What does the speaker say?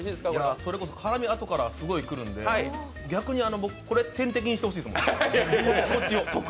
それこそ辛みがあとからすごい来るんで、逆にこれを点滴にしてほしいですもん。